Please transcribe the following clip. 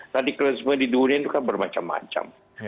radikalisme di dunia itu kan bermacam macam